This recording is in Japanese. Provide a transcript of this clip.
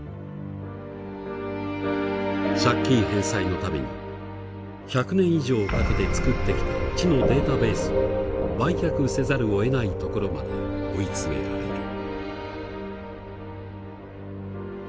借金返済のために１００年以上かけて作ってきた知のデータベースを売却せざるをえないところまで追い詰められる。